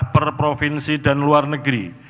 per provinsi dan luar negeri